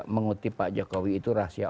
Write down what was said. mengutip pak jokowi itu rahasia